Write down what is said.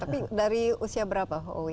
tapi dari usia berapa owi